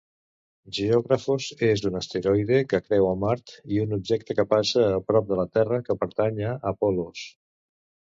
Geographos és un asteroide que creua Mart i un objecte que passa a prop de la Terra, que pertany a Apollos.